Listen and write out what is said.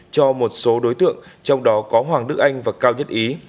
năm trăm linh cho một số đối tượng trong đó có hoàng đức anh và cao nhất ý